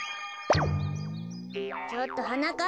ちょっとはなかっ